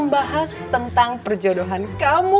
bahas tentang perjodohan kamu